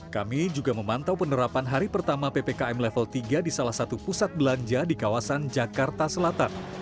kami juga memantau penerapan hari pertama ppkm level tiga di salah satu pusat belanja di kawasan jakarta selatan